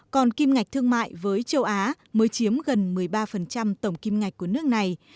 còn kim ngạch thương mại với châu á mới chiếm gần một mươi ba tổng kim ngạch của nước này